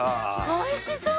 おいしそう！